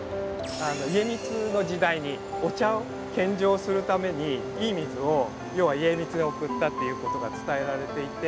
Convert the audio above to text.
家光の時代にお茶を献上するためにいい水を家光におくったっていうことが伝えられていて。